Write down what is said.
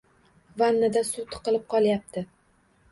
Vannada suv tiqilib qolyapti.